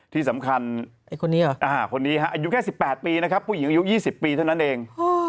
ที่สำคัญคนนี้ฮะอายุแค่๑๘ปีนะครับผู้หญิงอายุ๒๐ปีเท่านั้นเอง